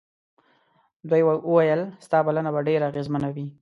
دوی وویل ستا بلنه به ډېره اغېزمنه وي.